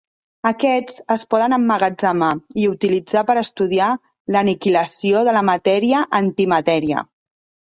Aquests es poden emmagatzemar i utilitzar per estudiar l'aniquilació de la matèria-antimatèria.